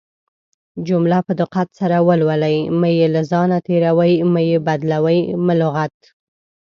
جمله په دقت سره ولولٸ مه يې له ځانه تيروٸ، مه يې بدالوۍ، مه لغت